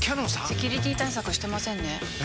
セキュリティ対策してませんねえ！